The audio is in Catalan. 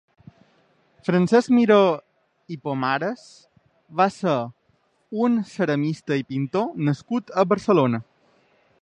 Francesc Miró i Pomares va ser un ceramista i pintor nascut a Barcelona.